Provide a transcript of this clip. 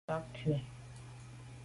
Nka’ kù.